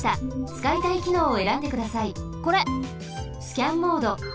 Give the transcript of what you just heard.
スキャンモード。